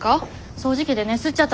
掃除機でね吸っちゃったの。